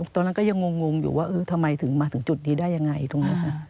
ตอนนั้นก็ยังงงอยู่ว่าทำไมถึงมาถึงจุดนี้ได้ยังไงตรงนี้ค่ะ